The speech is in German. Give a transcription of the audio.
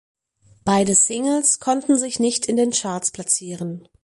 Beide Singles konnten sich nicht in den Charts platzieren.